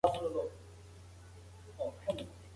د سولې په پروسه کي د قومي مشرانو جرګې تر ټولو اغیزناکي دي.